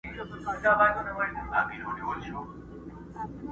ځوانمیرګه شپه سبا سوه د آذان استازی راغی؛